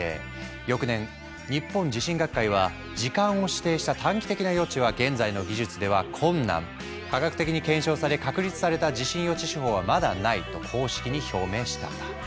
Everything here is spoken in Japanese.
翌年日本地震学会は「時間を指定した短期的な予知は現在の技術では困難」「科学的に検証され確立された地震予知手法はまだない」と公式に表明したんだ。